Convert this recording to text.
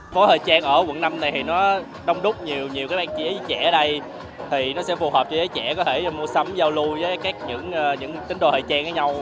phố thời trang ở quận năm này thì nó đông đúc nhiều nhiều các bán giấy trẻ ở đây thì nó sẽ phù hợp cho giấy trẻ có thể mua sắm giao lưu với các những tính đồ thời trang ở nhau